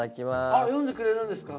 あ読んでくれるんですか？